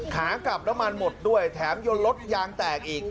ขากลับน้ำมันหมดด้วยแถมยนต์รถยางแตกอีก